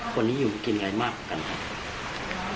คนนี้อยู่กันกินไงหมักกว่ากันครับ